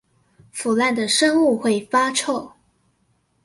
腐爛的生物會發臭